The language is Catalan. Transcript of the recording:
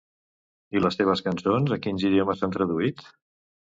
I les seves creacions a quins idiomes s'han traduït?